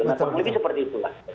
mungkin seperti itulah